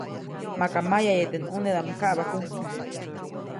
Maka mayaʼye teʼ ʼnunedaʼm kaʼbaʼkäjtsi.